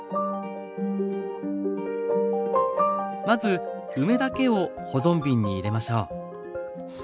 まず梅だけを保存瓶に入れましょう。